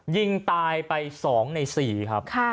ยิงตายไป๒ใน๔ครับ